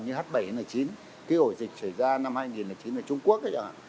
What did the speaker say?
cúm ah bảy n chín cái ổ dịch xảy ra năm hai nghìn một mươi chín ở trung quốc ấy chẳng hạn